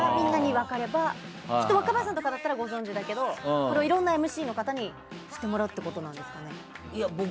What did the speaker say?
若林さんだったらご存じだけどいろいろなＭＣの方に知ってもらうことなんですかね。